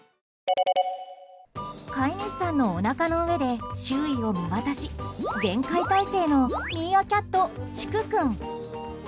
飼い主さんのおなかの上で周囲を見渡し厳戒態勢のミーアキャット竹君。